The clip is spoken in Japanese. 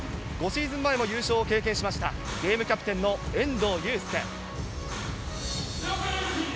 ５シーズン前の優勝を経験しました、ゲームキャプテンの遠藤祐亮。